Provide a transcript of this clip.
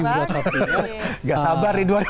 gak sabar di dua ribu dua puluh satu